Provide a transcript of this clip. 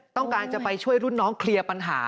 ต้องการจะไปช่วยรุ่นน้องเคลียร์ปัญหา